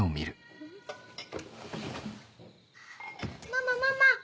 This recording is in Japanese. ママママ！